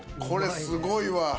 これすごいわ。